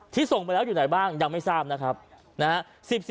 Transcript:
ส่งไปแล้วอยู่ไหนบ้างยังไม่ทราบนะครับนะฮะ